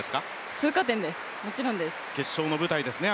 通過点です、もちろんです。